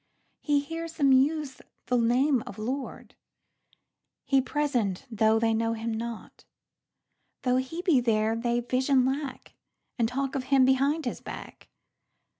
He hears them use the name of Lord, He present though they know him not. Though he be there, they vision lack, And talk of him behind his back.